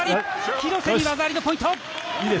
廣瀬に技ありのポイント！